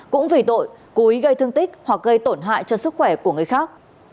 cũng vì tội cố ý gây thương tích hoặc gây tổn hại cho sức khỏe của người khác